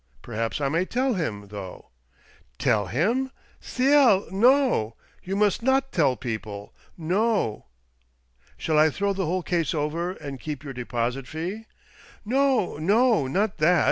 Perhaps I may tell him, though." "Tell him? del— no I You must not tell people ! No !"" Shall I throw the whole case over, and keep your deposit fee? "" No — no, not that.